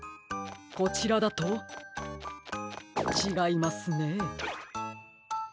こちらだとちがいますね。